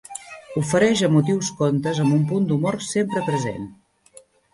Ofereix emotius contes amb un punt d'humor sempre present.